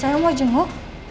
yaudah saya mau jenguk